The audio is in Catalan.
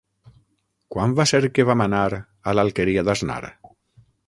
Quan va ser que vam anar a l'Alqueria d'Asnar?